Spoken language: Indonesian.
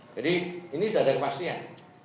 jadi ini dada kemastian